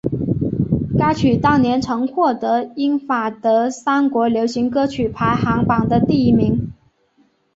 该曲当年曾获得英法德三国流行歌曲排行榜的第一名。